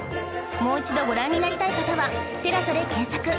もう一度ご覧になりたい方は「テラサ」で検索